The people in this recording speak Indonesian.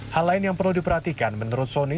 hal lain yang perlu diperhatikan menurut soni